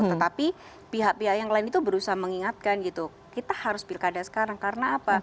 tetapi pihak pihak yang lain itu berusaha mengingatkan gitu kita harus pilkada sekarang karena apa